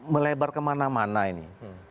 melebar kemana mana ini